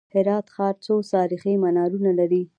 هرات ښار څو تاریخي منارونه لري؟